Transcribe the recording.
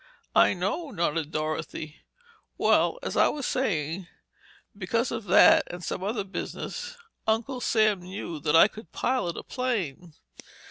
"I know," nodded Dorothy. "Well, as I was saying—because of that and some other business, Uncle Sam knew that I could pilot a plane.